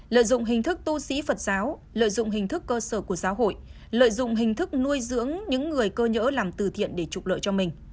lợi dụng hình thức tu sĩ phật giáo lợi dụng hình thức cơ sở của giáo hội lợi dụng hình thức nuôi dưỡng những người cơ nhỡ làm từ thiện để trục lợi cho mình